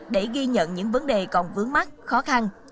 để ghi nhận những vấn đề còn vướng mắt khó khăn